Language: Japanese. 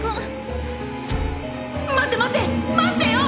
待って待って待ってよ！